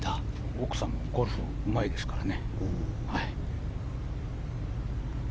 奥さんもゴルフがうまいですからね。